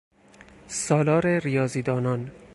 سالار ریاضیدانان